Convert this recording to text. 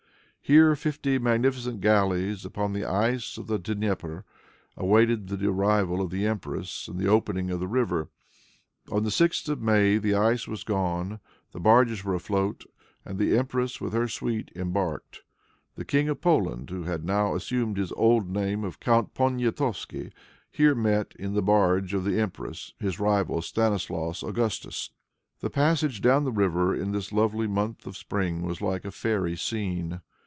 Here fifty magnificent galleys, upon the ice of the Dnieper, awaited the arrival of the empress and the opening of the river. On the 6th of May the ice was gone, the barges were afloat, and the empress with her suite embarked. The King of Poland, who had now assumed his old name of Count Poniatowski, here met, in the barge of the empress, his rival, Stanislaus Augustus. The passage down the river, in this lovely month of spring, was like a fairy scene.